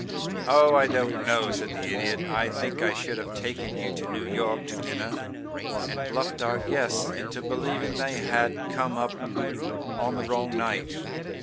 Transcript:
"Oh, I don't know," said the Idiot. "I think I should have taken you to New York to dinner, and bluffed our guests into believing they had come up on the wrong night.